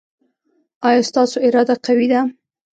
ایا ستاسو اراده قوي ده؟